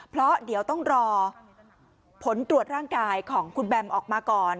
เพราะเดี๋ยวต้องรอผลตรวจร่างกายของคุณแบมออกมาก่อน